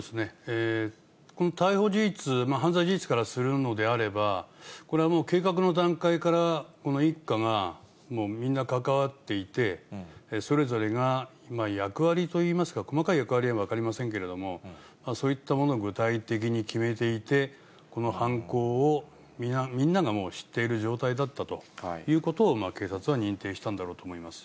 この逮捕事実、犯罪事実からするのであれば、これはもう計画の段階から、この一家がみんな関わっていて、それぞれが役割といいますか、細かい役割は分かりませんけれども、そういったものを具体的に決めていて、この犯行をみんながもう知っている状態だったということを警察は認定したんだろうと思います。